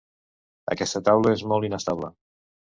Aquesta taula és molt inestable.